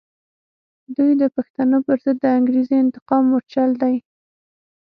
دوی د پښتنو پر ضد د انګریزي انتقام مورچل دی.